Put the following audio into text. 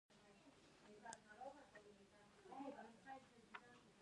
ځمکه د افغان ځوانانو د هیلو او ارمانونو استازیتوب کوي.